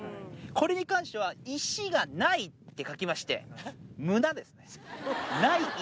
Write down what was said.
これに関しては、石がないって書きまして、むなです。